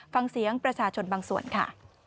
ฟังเสียงประชาชนบางส่วนค่ะ